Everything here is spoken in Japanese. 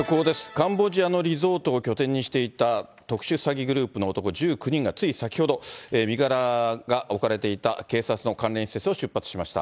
カンボジアのリゾートを拠点にしていた特殊詐欺グループの男１９人がつい先ほど、身柄が置かれていた警察の関連施設を出発しました。